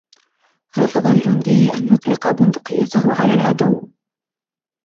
رفض الجندي أن يطلق بندقيته على العدو.